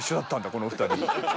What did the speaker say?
この２人。